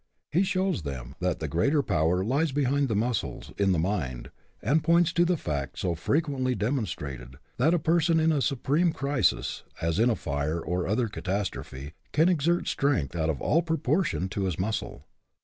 He shows them that the greater power lies behind the muscles, in the mind, and points to the fact so frequently demon strated, that a person in a supreme crisis, as in a fire or other catastrophe, can exert strength out of all proportion to his muscle.